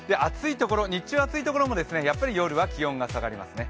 日中暑いところも、やはり夜は気温が下がりますね。